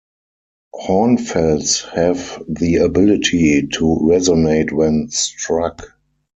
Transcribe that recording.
Hornfels have the ability to resonate when struck.